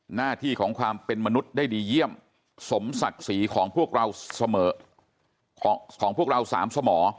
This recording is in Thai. หน้าที่ของความเป็นมนุษย์ได้ดีเยี่ยมสมศักดิ์ศรีของพวกเราสามสมอ